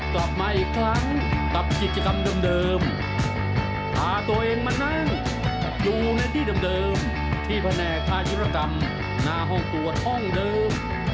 กลับมาอีกครั้งกับกิจกรรมเดิมพาตัวเองมานั่งอยู่ในที่เดิมที่แผนกท่ายุรกรรมหน้าห้องตรวจห้องเดิม